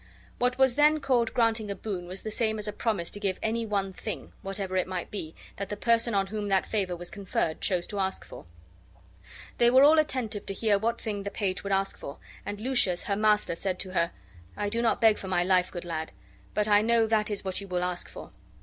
What was then called granting a boon was the same as a promise to give any one thing, whatever it might be,. that the person on whom that favor was conferred chose to ask for. They all were attentive to hear what thing the page would ask for; and Lucius, her master, said to her: "I do not beg my life, good lad, but I know that is what you will ask for."